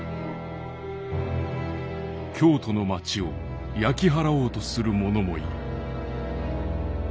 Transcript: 「京都の町を焼き払おうとする者もいる」。